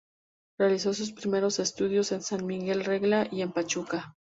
Realizó sus primeros estudios en San Miguel Regla y en Pachuca.